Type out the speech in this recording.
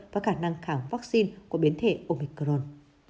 và khả năng khẳng vaccine của biến thể omicron